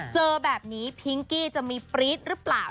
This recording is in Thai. เจอแบบนี้พิงกี้จะมีปรี๊ดหรือเปล่า